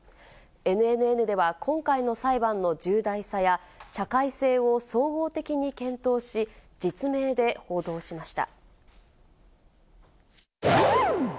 ＮＮＮでは今回の裁判の重大さや社会性を総合的に検討し、実名で報道しました。